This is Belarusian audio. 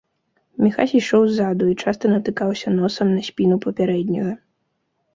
Міхась ішоў ззаду і часта натыкаўся носам на спіну папярэдняга.